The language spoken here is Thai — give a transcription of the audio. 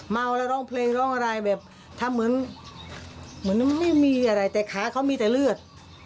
ไม่มีอะไรแต่ขาเขามีแต่เลือด